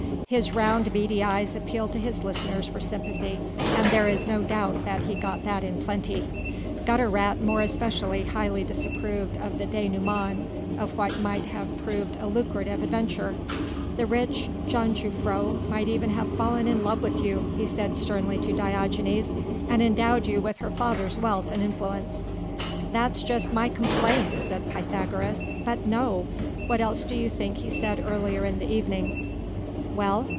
His round, beady eyes appealed to his listeners for sympathy, and there is no doubt that he got that in plenty. Gutter rat more especially highly disapproved of the dénouement of what might have proved a lucrative adventure. "The rich jongejuffrouw might even have fallen in love with you," he said sternly to Diogenes, "and endowed you with her father's wealth and influence." "That's just my complaint," said Pythagoras, "but no! what else do you think he said earlier in the evening?" "Well?"